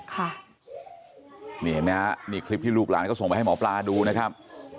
ค่ะนี่เห็นไหมฮะนี่คลิปที่ลูกหลานก็ส่งไปให้หมอปลาดูนะครับ